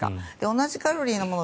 同じカロリーのもの